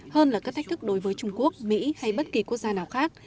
hơn là các thách thức đối với trung quốc mỹ hay bất kỳ quốc gia nào khác